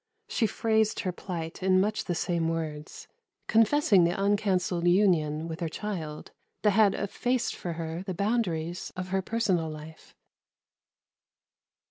She phrased her plight in much the same words, confessing the uncancelled union with her child that had effaced for her the boundaries of her personal life.